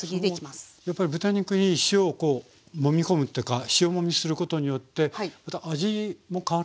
やっぱり豚肉に塩をこうもみ込むというか塩もみすることによってまた味も変わるんですか？